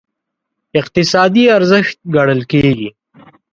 اقتصادي ارزښت ګڼل کېږي.